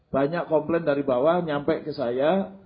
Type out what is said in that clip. banyak komplain dari bawah nyampe ke saya